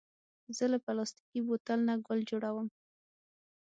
زه له پلاستيکي بوتل نه ګل جوړوم.